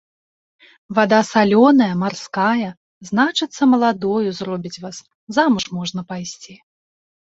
Вада салёная, марская, значыцца, маладою зробіць вас, замуж можна пайсці.